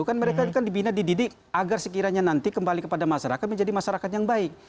kan mereka kan dibina dididik agar sekiranya nanti kembali kepada masyarakat menjadi masyarakat yang baik